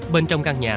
bên trong căn nhà